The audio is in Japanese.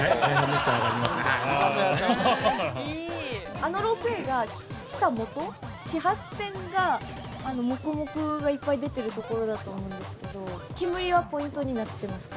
◆あのロープウエーが来たもと始発点があのもくもくがいっぱい出てるところだと思うんですけど煙はポイントになってますか。